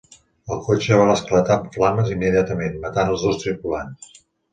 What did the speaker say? El cotxe va esclatar en flames immediatament, matant els dos tripulants.